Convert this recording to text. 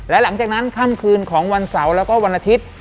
และหลังจากนั้นค่ำคืนของวันเสาร์แล้วก็วันอาทิตย์